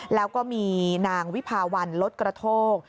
แล้วก็มีนางวิภาวันลดกระโทก